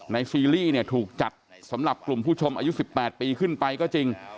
ซีรีส์เนี่ยถูกจัดสำหรับกลุ่มผู้ชมอายุ๑๘ปีขึ้นไปก็จริง